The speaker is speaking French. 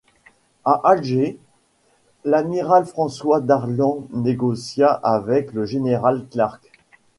À Alger, l'amiral François Darlan négocia avec le général Clark.